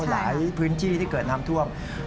หลายพื้นที่ที่เกิดน้ำท่วม